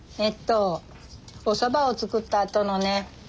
えっとおそばを作ったあとのね